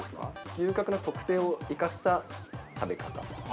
◆牛角の特性を生かした食べ方。